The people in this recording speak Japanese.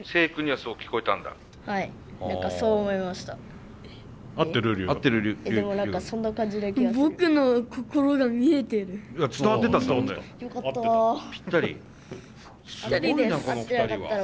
すごいなこの２人は。